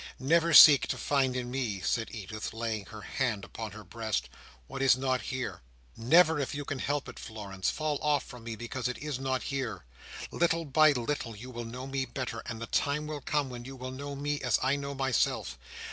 "Never seek to find in me," said Edith, laying her hand upon her breast, "what is not here. Never if you can help it, Florence, fall off from me because it is not here. Little by little you will know me better, and the time will come when you will know me, as I know myself.